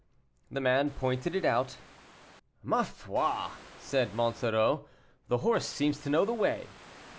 The man pointed it out. "Ma foi!" said Monsoreau, "the horse seems to know the way."